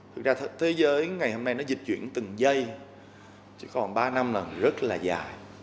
thực ra thế giới ngày hôm nay nó dịch chuyển từng giây chỉ còn ba năm là rất là dài